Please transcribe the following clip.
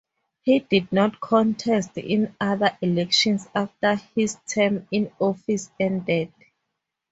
He did not contest in other elections after his term in office ended.